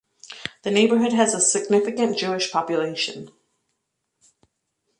The neighbourhood has a significant Jewish population.